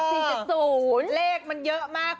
ก็เต็มคาราเบลอ๋อหกสี่เจ็ดศูนย์เลขมันเยอะมาก